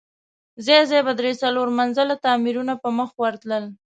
ځای ځای به درې، څلور منزله تاميرونه په مخه ورغلل.